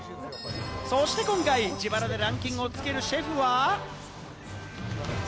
そして今回、自腹でランキングをつけるシェフは。